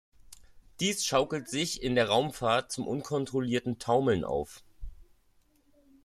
Dies schaukelt sich in der Raumfahrt zum unkontrollierten Taumeln auf.